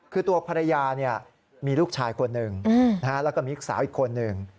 คือตัวภรรยามีลูกชายคนหนึ่งแล้วก็มีลูกสาวอีกคนหนึ่ง